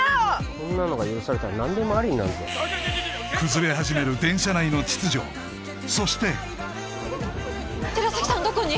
こんなのが許されたら何でもありになるぞ崩れ始める電車内の秩序そして寺崎さんどこに？